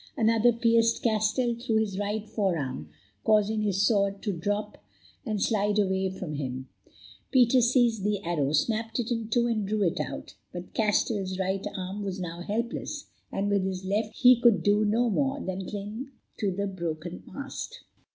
Another pierced Castell through his right forearm, causing his sword to drop and slide away from him. Peter seized the arrow, snapped it in two, and drew it out; but Castell's right arm was now helpless, and with his left he could do no more than cling to the broken mast.